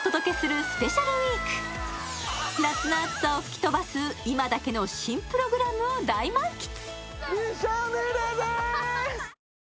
暑さを吹き飛ばす今だけの新プログラムを大満喫